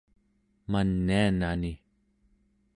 manianani